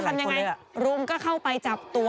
ทำยังไงรุมก็เข้าไปจับตัว